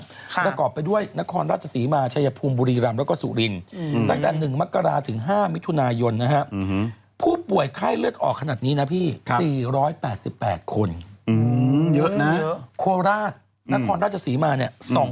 กระกอบไปด้วยนครราชสีมาชายพุมบุรีรำแล้วก็สุรินตั้งแต่๑มกราศถึง๕มิถุนายนนะฮะ